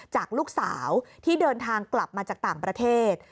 จากลูกสาวที่เดินทางกลับมาจากต่างประเทศ